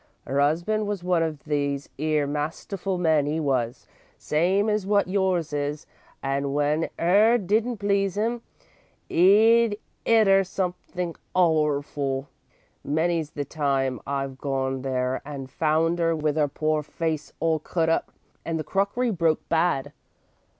"'Er 'usband was one of these 'ere masterful men, 'e was, same as wot yours is, and w'en 'er didn't please 'im, 'e 'd 'it 'er somethink orful. Many's the time I've gone there and found 'er with 'er poor face all cut up and the crockery broke bad.